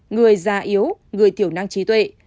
người già yếu người thiểu năng trí tuệ